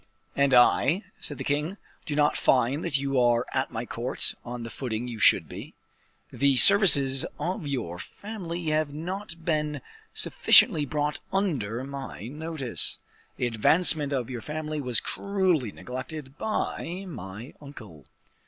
"And I," said the king, "do not find that you are at my court on the footing you should be. The services of your family have not been sufficiently brought under my notice. The advancement of your family was cruelly neglected by my uncle."